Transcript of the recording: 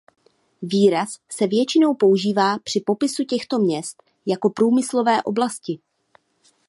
Výraz se většinou používá při popisu těchto měst jako průmyslové oblasti.